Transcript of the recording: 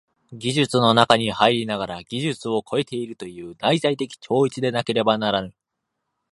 技術の中に入りながら技術を超えているという内在的超越でなければならぬ。